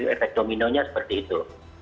efek dominonya seperti itu